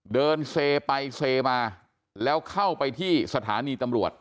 เดินเซไปเซมาแล้วเข้าไปที่สถานีตำรวจ